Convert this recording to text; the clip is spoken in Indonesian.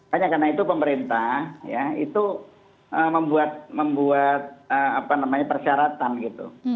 hanya karena itu pemerintah ya itu membuat persyaratan gitu